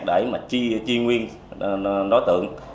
để mà chi nguyên đối tượng